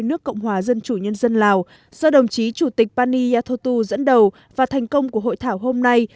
nước cộng hòa dân chủ nhân dân lào do đồng chí chủ tịch pani yathotu dẫn đầu và thành công của hội thảo hôm nay